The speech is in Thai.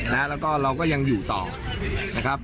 แล้วก็เราก็ยังอยู่ต่อนะครับ